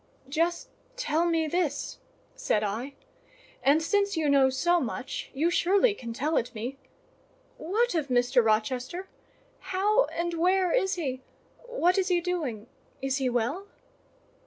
"Just tell me this," said I, "and since you know so much, you surely can tell it me—what of Mr. Rochester? How and where is he? What is he doing? Is he well?"